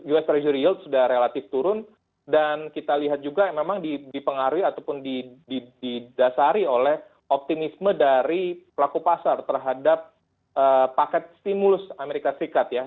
us treasury yield sudah relatif turun dan kita lihat juga memang dipengaruhi ataupun didasari oleh optimisme dari pelaku pasar terhadap paket stimulus amerika serikat ya